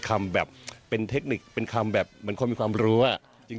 คำแบบเป็นเทคนิคเป็นคำแบบเหมือนคนมีความรู้